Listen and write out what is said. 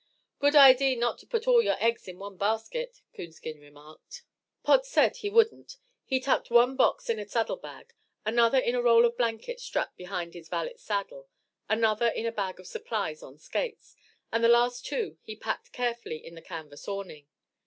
"Good idee not to put all your eggs in one basket," Coonskin remarked. Pod said he wouldn't. He tucked one box in a saddle bag, another in a roll of blankets strapped behind his valet's saddle, another in a bag of supplies on Skates, and the last two he packed carefully in the canvas awning.